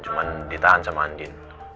cuman ditahan sama andin